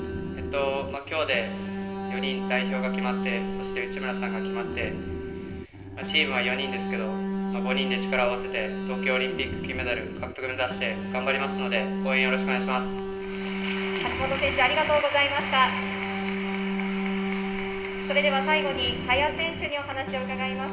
今日で４人代表が決まって、そして内村さんが決まって、チームは４人ですけど、５人で力を合わせて東京オリンピックで金メダル獲得を目指して頑張りますので、応援よろしくお願いします。